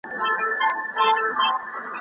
دوی نه پوهېږي چې څنګه یې وکاروي.